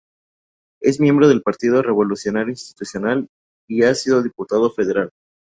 Es miembro del Partido Revolucionario Institucional y ha sido diputado federal.